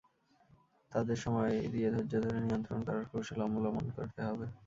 তাদের সময় দিয়ে ধৈর্য ধরে নিয়ন্ত্রণ করার কৌশল অবলম্বন করতে হবে।